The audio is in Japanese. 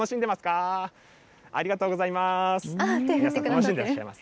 ありがとうございます。